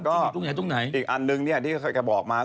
ชื่อเรียกว่าพรมลิขิต